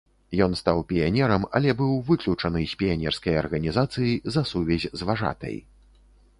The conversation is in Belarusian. Ён стаў піянерам, але быў выключаны з піянерскай арганізацыі за сувязь з важатай.